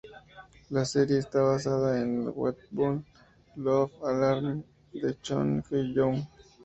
La serie está basada en el webtoon "Love Alarm" de Chon Kye-young.